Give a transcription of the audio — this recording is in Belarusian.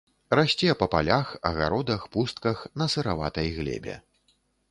Расце па палях, агародах, пустках, на сыраватай глебе.